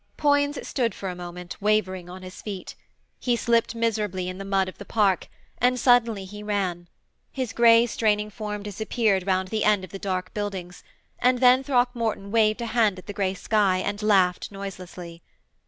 Poins stood for a moment, wavering on his feet. He slipped miserably in the mud of the park, and suddenly he ran. His grey, straining form disappeared round the end of the dark buildings, and then Throckmorton waved a hand at the grey sky and laughed noiselessly.